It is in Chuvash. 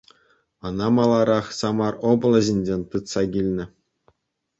Ӑна маларах Самар облаҫӗнчен тытса килнӗ.